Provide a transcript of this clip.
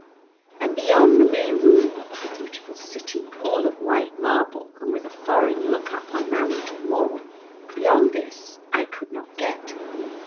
And beyond the mere rumour of a beautiful city all of white marble and with a foreign look up on Mallington Moor, beyond this I could not get.